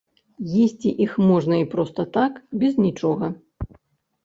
Есці іх можна і проста так, без нічога.